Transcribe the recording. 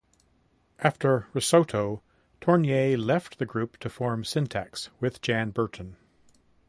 After "Risotto", Tournier left the group to form Syntax with Jan Burton.